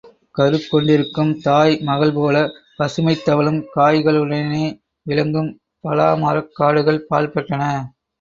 கருக் கொண்டிருக்கும் தாய் மகள்போலப் பசுமை தவழும் காய்களுடனே விளங்கும் பலா மரக் காடுகள் பாழ்பட்டன.